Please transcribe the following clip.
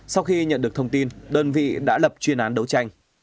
sau khi nhận được thông tin đơn vị đã lập chuyên án đấu tranh